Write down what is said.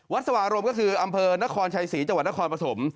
สวารมก็คืออำเภอนครชัยศรีจังหวัดนครปฐม